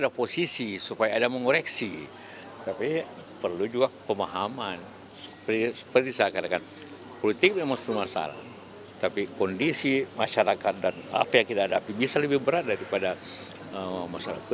apa yang akan dilakukan oleh pemerintahan pemerintahan dua ribu sembilan belas